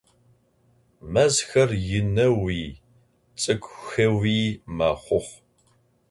Mezxer yinxeui ts'ık'uxeui mexhux.